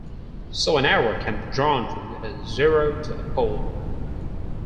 So an arrow can be drawn from a zero to a pole.